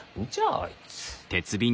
あいつ。